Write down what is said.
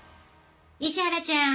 石原ちゃん。